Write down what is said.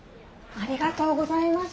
ありがとうございます。